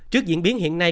trước diễn biến hiện nay